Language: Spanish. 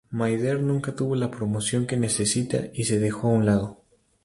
My Dear nunca tuvo la promoción que necesita y se dejó a un lado.